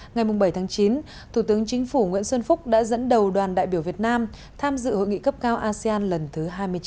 ngày bảy chín thủ tướng chính phủ nguyễn xuân phúc đã dẫn đầu đoàn đại biểu việt nam tham dự hội nghị cấp cao asean lần thứ hai mươi chín